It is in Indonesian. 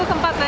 oh gitu ya